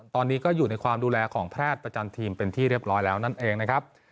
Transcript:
ตอนนี้ก็อยู่ในความดูแลของแพทย์ประจำทีมเป็นที่เรียบร้อยแล้วนั่นเองนะครับ